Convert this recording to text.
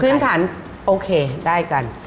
ฐานโอเคได้กัน